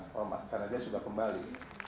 karena dia sudah kembali